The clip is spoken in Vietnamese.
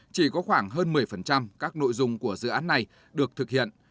chỉ có khoảng hơn một mươi các nội dung của dự án này được thực hiện